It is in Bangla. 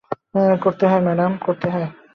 করতে হয় ম্যাডাম।